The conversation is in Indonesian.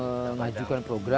untuk ketika mengajukan program